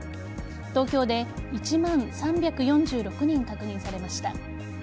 東京で１万３４６人確認されました。